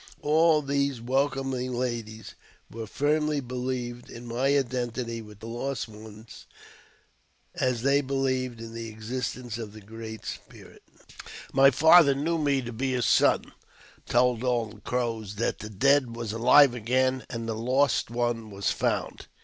All these welcoming ladies as firmly believed in my identity with the lost one as they believed in the existence of the Great Spirit. My father knew me to be his son ; told all the Crows that the dead was alive again, and the lost one was found.